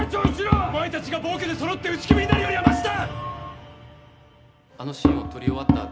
お前たちが暴挙でそろって打ち首になるよりはましだ！